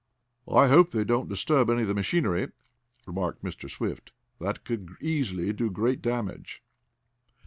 "I hope they don't disturb any of the machinery," remarked Mr. Swift. "That could easily do great damage."